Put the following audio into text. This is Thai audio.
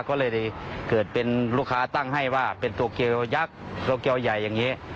ก็เลยเกิดเป็นลูกค้าตั้งให้ว่าเป็นโตเกียวยักษ์โตเกียวใหญ่อย่างนี้